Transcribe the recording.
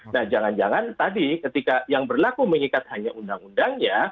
nah jangan jangan tadi ketika yang berlaku mengikat hanya undang undangnya